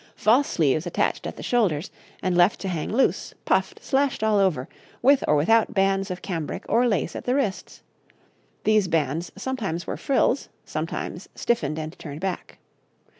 False sleeves attached at the shoulders, and left to hang loose, puffed, slashed all over, with or without bands of cambric or lace at the wrists; these bands sometimes were frills, sometimes stiffened and turned back.